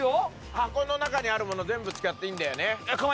箱の中にある物全部使っていいんだよね？